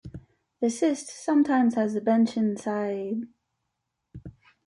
The cist sometimes has a bench inside ...